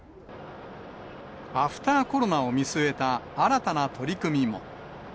アフターコロナを見据えた新たな取り組みも。